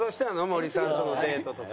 森さんとのデートとか。